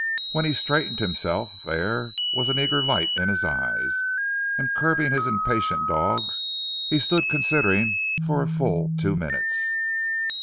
When he straightened himself there was an eager light in his eye, and curbing his impatient dogs he stood considering for a full two minutes.